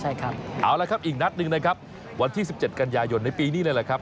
อีกนัดหนึ่งนะครับวันที่๑๗กันยายนในปีนี้เลยครับ